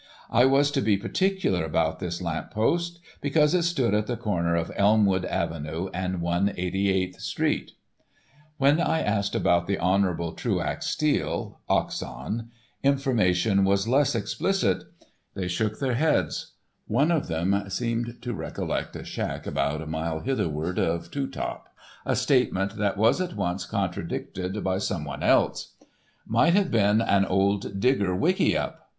I was to be particular about this lamp post, because it stood at the corner of Elmwood avenue and 188th street. When I asked about the Hon. Truax Steele, Oxon, information was less explicit. They shook their heads. One of them seemed to recollect a "shack" about a mile hitherward of Two Top, a statement that was at once contradicted by someone else. Might have been an old Digger "wicky up."